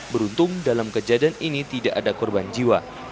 beruntung dalam kejadian ini tidak ada korban jiwa